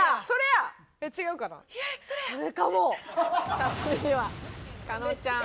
さあそれでは加納ちゃん